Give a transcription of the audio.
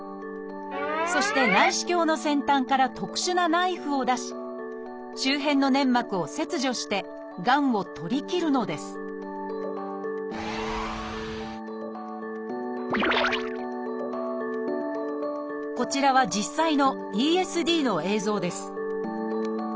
そして内視鏡の先端から特殊なナイフを出し周辺の粘膜を切除してがんを取り切るのですこちらは実際のＥＳＤの映像です